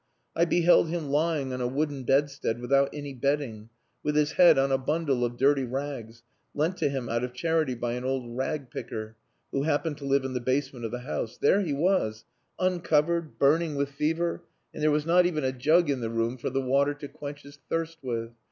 I beheld him lying on a wooden bedstead without any bedding, with his head on a bundle of dirty rags, lent to him out of charity by an old rag picker, who happened to live in the basement of the house. There he was, uncovered, burning with fever, and there was not even a jug in the room for the water to quench his thirst with.